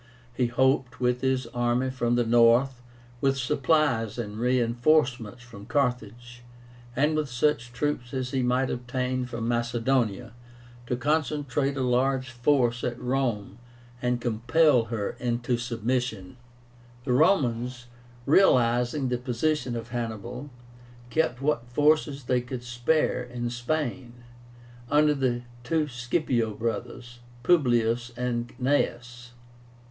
He hoped, with this army from the north, with supplies and reinforcements from Carthage, and with such troops as he might obtain from Macedonia, to concentrate a large force at Rome and compel her into submission. The Romans, realizing the position of Hannibal, kept what forces they could spare in Spain, under the two Scipio brothers, Publius and Gnaeus.